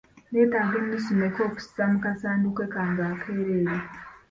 Nneetaaga ennusu mmeka okussa mu kasanduuke kange akeereere?